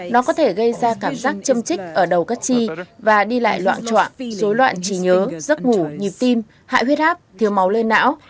nó có thể gây ra cảm giác châm trích ở đầu các chi và đi lại loạn trọng dối loạn trí nhớ giấc ngủ nhịp tim hại huyết áp thiếu máu lên não